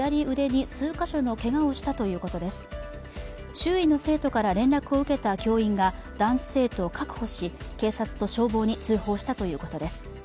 周囲の生徒から、連絡を受けた教員が男子生徒を確保し警察と消防に通報したということです。